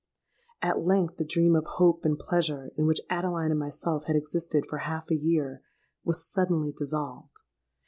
At length the dream of hope and pleasure in which Adeline and myself had existed for half a year, was suddenly dissolved.